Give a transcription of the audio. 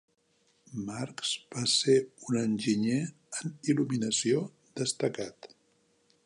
Marks va ser un enginyer en il·luminació destacat.